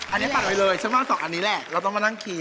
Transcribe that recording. อันนี้ตัดไปเลยฉันว่าสองอันนี้แหละเราต้องมานั่งขี่